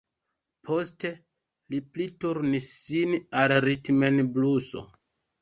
Poste li pli turnis sin al ritmenbluso.